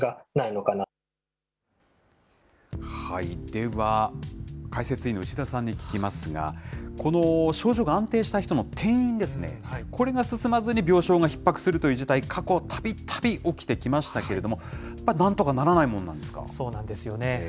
では、解説委員の牛田さんに聞きますが、この症状が安定した人の転院ですね、これが進まずに病床がひっ迫するという事態、過去たびたび起きてきましたけれども、なんとかそうなんですよね。